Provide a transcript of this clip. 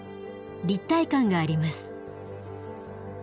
立体感があります。